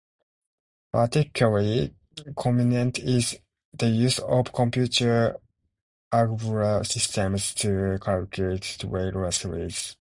Particularly convenient is the use of computer algebra systems to calculate Taylor series.